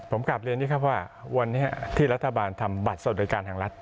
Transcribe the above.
ผมกลับเรียนนี่ครับว่าวันนี้ที่รัฐบาลทำบัตรสวัสดิการแห่งรัฐ